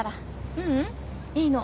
ううん。いいの。